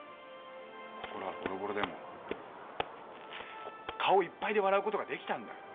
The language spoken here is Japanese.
心はボロボロでも顔いっぱいで笑うことができたんだよ。